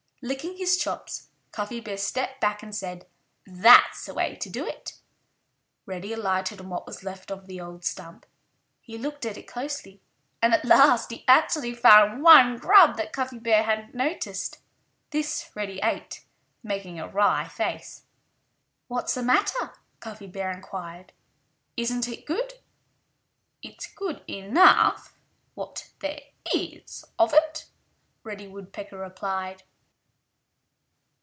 Licking his chops, Cuffy Bear stepped back and said, "That's the way to do it." Reddy alighted on what was left of the old stump. He looked at it closely. And at last he actually found one grub that Cuffy Bear hadn't noticed. This Reddy ate, making a wry face. "What's the matter?" Cuffy Bear inquired. "Isn't it good?" "It's good enough—what there is of it," Reddy Woodpecker replied.